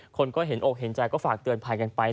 คนก็เห็นอกเห็นใจก็ฝากเตือนภัยกันไป